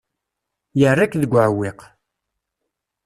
Yerra-k deg uɛewwiq.